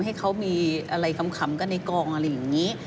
ให้เขามีอะไรขำกันในกองอะไรอย่างนี้